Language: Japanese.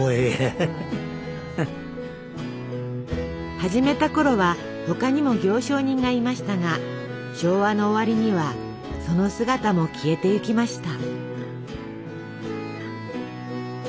始めたころは他にも行商人がいましたが昭和の終わりにはその姿も消えていきました。